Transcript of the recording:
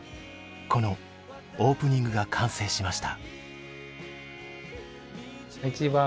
このオープニングが完成しました。